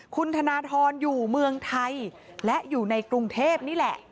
คุณธนทรอยู่เมืองไทยและอยู่ในกรุงเทพนี่แหละ